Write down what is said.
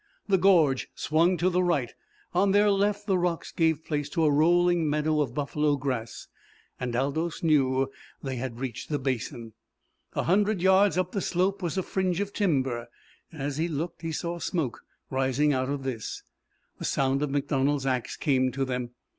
The gorge swung to the right; on their left the rocks gave place to a rolling meadow of buffalo grass, and Aldous knew they had reached the basin. A hundred yards up the slope was a fringe of timber, and as he looked he saw smoke rising out of this. The sound of MacDonald's axe came to them.